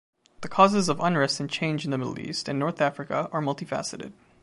The causes of unrest and change in the Middle East and North Africa are multifaceted.